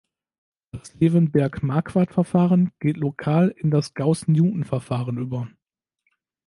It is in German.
Das Levenberg-Marquardt-Verfahren geht lokal in das Gauß-Newton-Verfahren über.